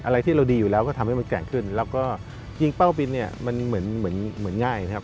อะไรที่เราดีอยู่แล้วก็ทำให้มันแข็งขึ้นแล้วก็ยิงเป้าปินมันเหมือนง่ายนะครับ